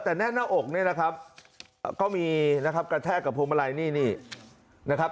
แต่แน่นหน้าอกนี่นะครับก็มีนะครับกระแทกกับพวงมาลัยนี่นี่นะครับ